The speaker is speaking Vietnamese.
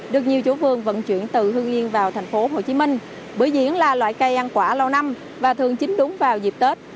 bữa diễn thường vận chuyển từ hương yên vào thành phố hồ chí minh bữa diễn là loại cây ăn quả lâu năm và thường chính đúng vào dịp tết